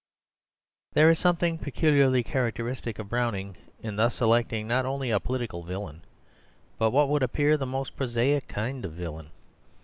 There is something peculiarly characteristic of Browning in thus selecting not only a political villain, but what would appear the most prosaic kind of villain.